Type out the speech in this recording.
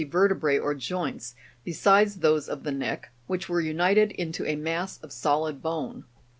vertebrse or joints, besides those of the neck, which were united into a mass of solid bone.